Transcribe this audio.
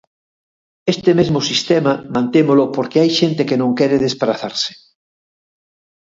Este mesmo sistema mantémolo porque hai xente que non quere desprazarse.